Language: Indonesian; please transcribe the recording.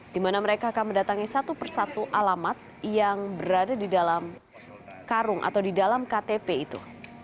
di mana mereka akan mendatangi satu persatu alamat yang berada di dalam karung atau di dalam ktp itu